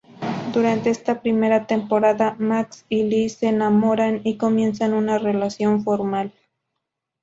Durante esta primera temporada, Max y Liz se enamoran y comienzan una relación formal.